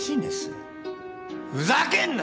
ふざけんな！